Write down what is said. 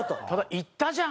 「言ったじゃん！」。